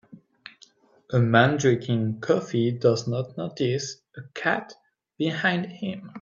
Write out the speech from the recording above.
A man drinking coffee does not notice a cat behind him.